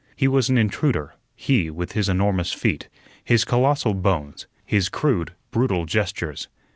He was an intruder; he, with his enormous feet, his colossal bones, his crude, brutal gestures.